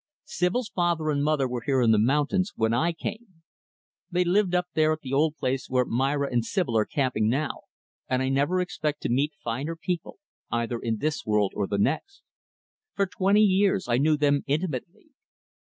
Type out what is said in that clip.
"Sibyl's father and mother were here in the mountains when I came. They lived up there at the old place where Myra and Sibyl are camping now, and I never expect to meet finer people either in this world or the next. For twenty years I knew them intimately.